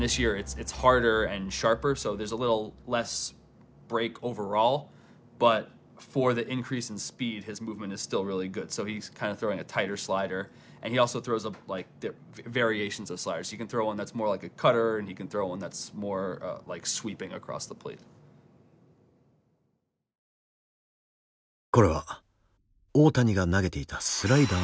これは大谷が投げていたスライダーの軌道。